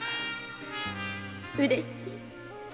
うれしい。